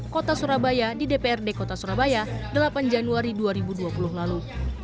kota surabaya di dprd kota surabaya delapan januari dua ribu dua puluh lalu